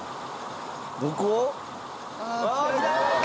どこ？